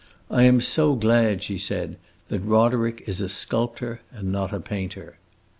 "I am so glad," she said, "that Roderick is a sculptor and not a painter."